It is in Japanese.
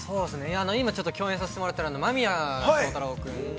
◆今、共演させてもらっている間宮祥太朗君。